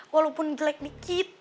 walaupun jelek dikit